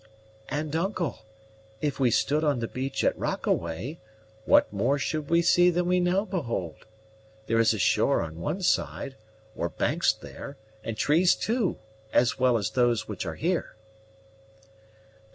"And, uncle, if we stood on the beach at Rockaway, what more should we see than we now behold? There is a shore on one side, or banks there, and trees too, as well as those which are here."